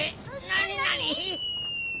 なになに？